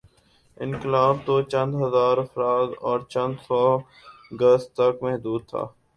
انقلاب توچند ہزارافراد اور چندسو گز تک محدود تھا۔